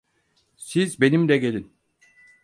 Siz benimle gelin.